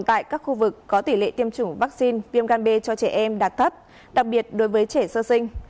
tại các khu vực có tỷ lệ tiêm chủng vaccine viêm gan b cho trẻ em đạt thấp đặc biệt đối với trẻ sơ sinh